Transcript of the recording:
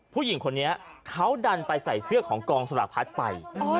ผู้หญิงคนนี้เขาดันไปใส่เสื้อของกองสลากพัดไป